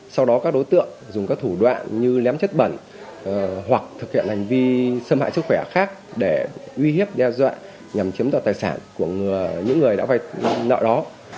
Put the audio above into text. sau đó các đối tượng dùng các thủ đoạn như lém chất bẩn hoặc thực hiện hành vi xâm hại sức khỏe khác để uy hiếp đe dọa nhằm chiếm đoạt tài sản của những người đã vay nợ đó